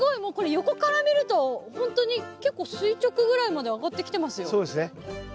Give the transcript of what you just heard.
横から見るとほんとに結構垂直ぐらいまで上がってきてますよ。